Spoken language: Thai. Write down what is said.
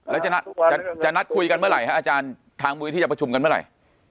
แล้วจะนัดคุยกันเมื่อไหร่ฮะอาจารย์ทางมือที่จะประชุมกันเมื่อไหร่